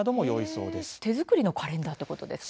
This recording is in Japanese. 手作りのカレンダーってことですか。